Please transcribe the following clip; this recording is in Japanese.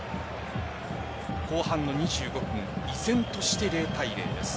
後半の２５分依然として０対０です。